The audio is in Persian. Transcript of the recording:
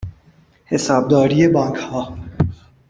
حسابداری بانکها